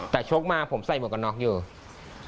แต่ชกมาผมใส่หมวกกันน็อกอยู่